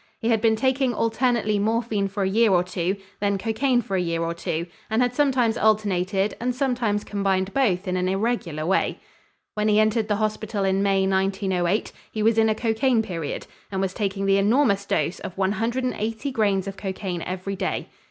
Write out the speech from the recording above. He had been taking alternately morphine for a year or two, then cocaine for a year or two, and had sometimes alternated and sometimes combined both in an irregular way. When he entered the hospital in May, 1908, he was in a cocaine period and was taking the enormous dose of one hundred and eighty grains of cocaine every day.